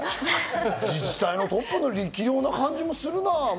自治体のトップの力量って感じもするな。